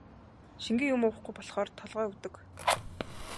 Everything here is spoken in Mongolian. Шингэн юм уухгүй болохоор толгой өвдөг.